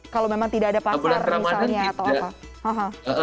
kalau memang tidak ada pasar misalnya atau apa